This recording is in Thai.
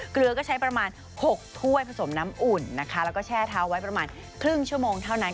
เกลือก็ใช้ประมาณ๖ถ้วยผสมน้ำอุ่นนะคะแล้วก็แช่เท้าไว้ประมาณครึ่งชั่วโมงเท่านั้น